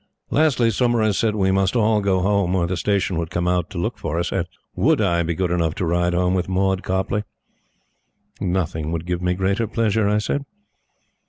Lastly, Saumarez said we must all go home or the Station would come out to look for us, and WOULD I be good enough to ride home with Maud Copleigh? Nothing would give me greater pleasure, I said.